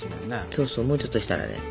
そうそうもうちょっとしたらね。